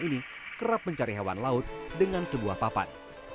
ini kerap mencari hewan laut dengan sebuah papan